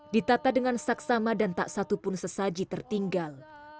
ditata dengan saksama dan tak satu pun sesaji tertinggal